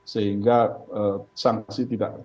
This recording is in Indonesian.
sehingga sanksi tidak